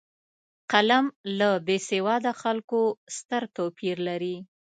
قلم له بېسواده خلکو ستر توپیر لري